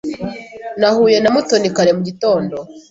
Nahuye na Mutoni kare mu gitondo.